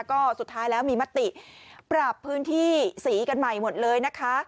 ก็สุดท้ายแล้วมีมติปรับพื้นที่สีกันใหม่หมดเลยนะคะ